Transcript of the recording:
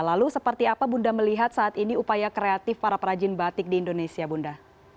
lalu seperti apa bunda melihat saat ini upaya kreatif para perajin batik di indonesia bunda